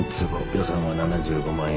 予算は７５万円。